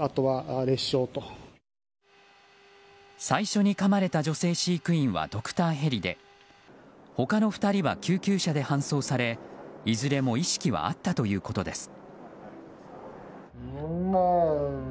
最初にかまれた女性飼育員はドクターヘリで他の２人は救急車で搬送されいずれも意識はあったということです。